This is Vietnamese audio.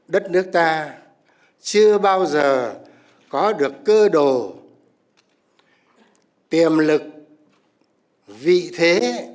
đất nước ta chưa bao giờ có được cơ đồ tiềm lực vị thế